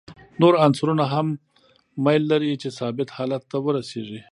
نور عنصرونه هم میل لري چې ثابت حالت ته ورسیږي.